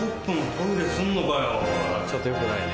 ちょっと良くないね。